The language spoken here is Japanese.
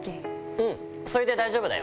うん、それで大丈夫だよ。